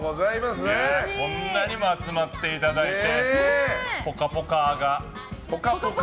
ぽかぽかーがこんなにも集まっていただいて。